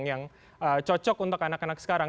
yang cocok untuk anak anak sekarang